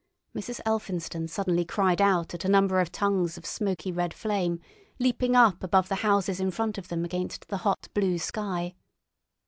Mrs. Elphinstone suddenly cried out at a number of tongues of smoky red flame leaping up above the houses in front of them against the hot, blue sky.